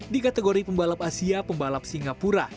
di kategori pembalap asia pembalap singapura